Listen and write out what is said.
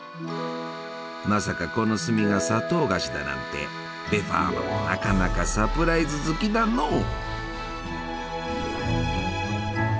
まさかこの炭が砂糖菓子だなんてベファーナもなかなかサプライズ好きだのう！